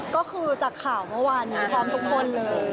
ก็คือจากข่าวเมื่อวานนี้พร้อมทุกคนเลย